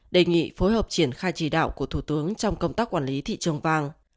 đề nghị phối hợp triển khai chỉ đạo của thủ tướng trong công tác quản lý thị trường vàng